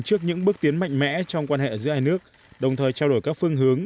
trước những bước tiến mạnh mẽ trong quan hệ giữa hai nước đồng thời trao đổi các phương hướng